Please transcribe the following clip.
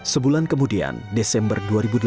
sebulan kemudian desember dua ribu delapan belas